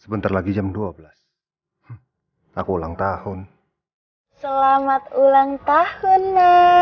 sebentar lagi jam dua belas aku ulang tahun selamat ulang tahun